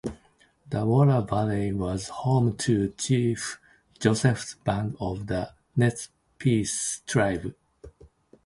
The Wallowa Valley was home to Chief Joseph's band of the Nez Perce Tribe.